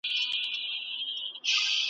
ویل وایه که ریشتیا در معلومیږي ,